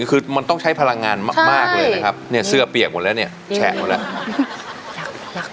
คือมันต้องใช้พลังงานมากเลยนะครับเนี่ยเสื้อเปียกหมดแล้วเนี่ยแฉะหมดแล้ว